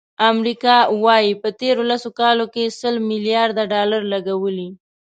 امریکا وایي، په تېرو لسو کالو کې سل ملیارد ډالر لګولي.